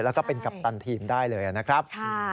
แล้วก็เป็นกัปตันทีมได้เลยนะครับ